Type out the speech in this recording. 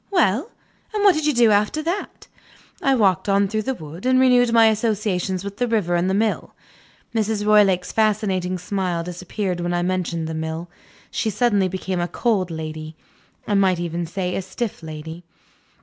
Well? And what did you do after that?" "I walked on through the wood, and renewed my old associations with the river and the mill." Mrs. Roylake's fascinating smile disappeared when I mentioned the mill. She suddenly became a cold lady I might even say a stiff lady.